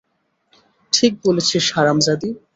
ঠিক বলেছিস, হারামজাদী!